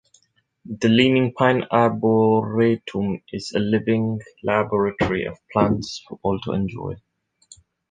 The Leaning Pine Arboretum is a living laboratory of plants for all to enjoy.